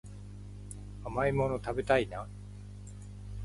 甘いもの食べたいな